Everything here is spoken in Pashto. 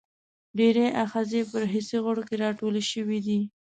ډېری آخذې په حسي غړو کې را ټولې شوي دي.